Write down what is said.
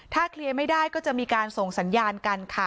ถ้าเคลียร์ไม่ได้ก็จะมีการส่งสัญญาณกันค่ะ